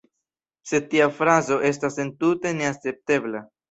Sed tia frazo estas entute neakceptebla.